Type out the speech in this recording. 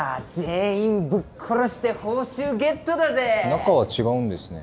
中は違うんですね。